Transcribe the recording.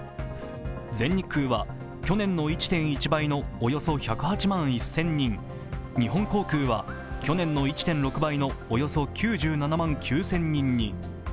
全日空は去年の１．１倍のおよそ１０８万１０００人日本航空は去年の１．６倍のおよそ９７万９０００人に。